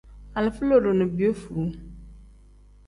Alifa lodo ni piyefuu.